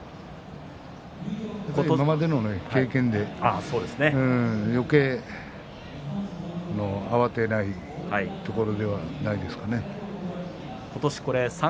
これまでの経験でよけい慌てないところではないですかね。